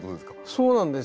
そうなんです。